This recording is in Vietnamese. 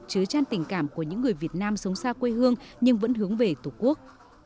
chứa tràn tình cảm của những người việt nam sống xa quê hương nhưng vẫn hướng về tổ quốc